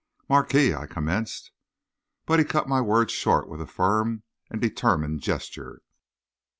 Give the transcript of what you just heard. "Marquis " I commenced. But he cut my words short with a firm and determined gesture.